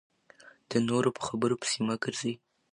د نورو په خبرو پسې مه ګرځئ .